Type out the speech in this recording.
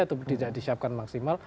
atau tidak disiapkan maksimal